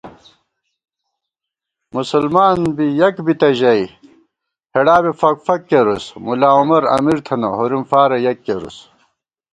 مسلمان بی یَک بِتہ ژَئی ہېڑا بی فَک فَک کېرُوس * ملا عمر امیر تھنہ ہورِم فارہ یک کېرُوس